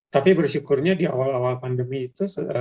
tapi bersyukurnya di awal awal pandemi itu